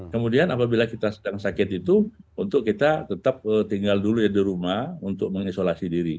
kemudian apabila kita sedang sakit itu untuk kita tetap tinggal dulu ya di rumah untuk mengisolasi diri